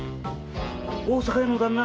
大阪屋の旦那。